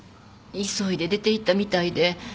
急いで出ていったみたいで。